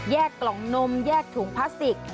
กล่องนมแยกถุงพลาสติก